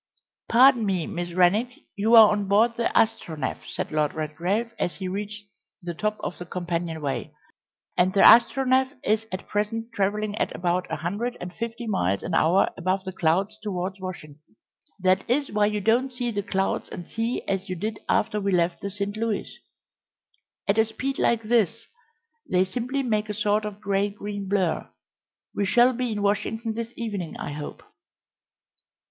"Pardon me, Miss Rennick, you are on board the Astronef," said Lord Redgrave, as he reached the top of the companion way, "and the Astronef is at present travelling at about a hundred and fifty miles an hour above the clouds towards Washington. That is why you don't see the clouds and sea as you did after we left the St. Louis. At a speed like this they simply make a sort of grey green blur. We shall be in Washington this evening, I hope."